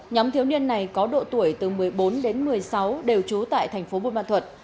nhóm thiếu niên này có độ tuổi từ một mươi bốn đến một mươi sáu đều trú tại tp bôn ma thuật